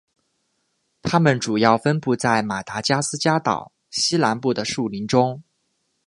它们主要分布在马达加斯加岛西南部的树林中。